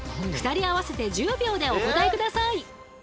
２人合わせて１０秒でお答え下さい。